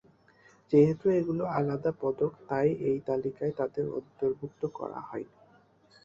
যেহেতু এগুলো আলাদা পদক, তাই এই তালিকায় তাদের অন্তর্ভুক্ত করা হয়নি।